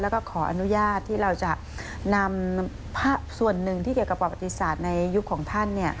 แล้วก็ขออนุญาตที่เราจะนำส่วนหนึ่งที่เกี่ยวกับประวัติศาสตร์ในยุคของท่าน